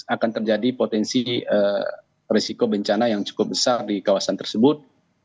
akan terjadi potensi risiko bencana yang cukup besar di kawasan tersebut